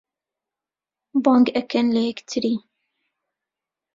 بانگ ئەکەن لە یەکتری